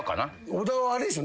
小田はあれでしょ。